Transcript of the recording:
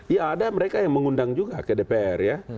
ya ada mereka yang mengundang juga ke dpr ya